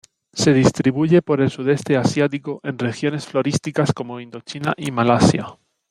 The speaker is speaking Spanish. Se distribuye por el Sudeste asiático en regiones florísticas como Indochina y Malasia.